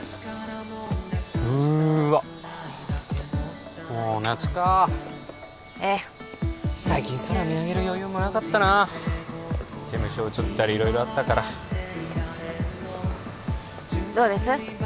うーわもう夏かええ最近空見上げる余裕もなかったな事務所移ったり色々あったからどうです？